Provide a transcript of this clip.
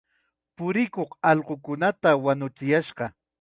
Purikuq allqukunata wañuchiyashqa.